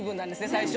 最初。